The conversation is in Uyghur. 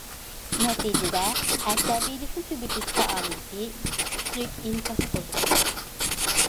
نەتىجىدە،« ئەسەبىيلىكنى تۈگىتىش» پائالىيىتى كۈچلۈك ئىنكاس قوزغىدى.